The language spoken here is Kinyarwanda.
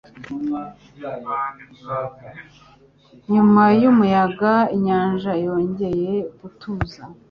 Nyuma yumuyaga, inyanja yongeye gutuza.